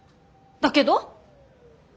だけど？